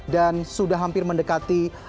dan sudah hampir mendekati